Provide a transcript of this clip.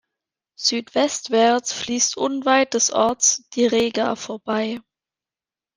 Südwestwärts fließt unweit des Orts die Rega vorbei.